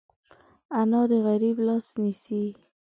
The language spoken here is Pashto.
انا د غریب لاس نیسي